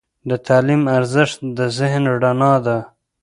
د تعلیم ارزښت د ذهن رڼا ده.